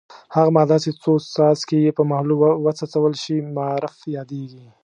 هغه ماده چې څو څاڅکي یې په محلول وڅڅول شي معرف یادیږي.